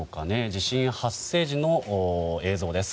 地震発生時の映像です。